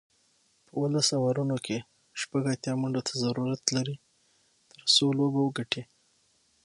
په اوولس اورونو کې شپږ اتیا منډو ته ضرورت لري، ترڅو لوبه وګټي